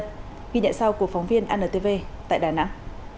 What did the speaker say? ghi nhận sau của phóng viên antv tại đà nẵng